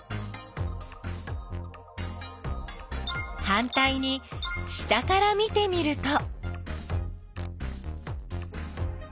はんたいに下から見てみると。